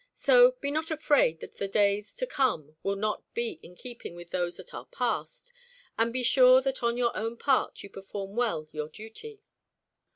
So, be not afraid that the days to come will not be in keeping with those that are past, and be sure that on your own part you perform well your duty."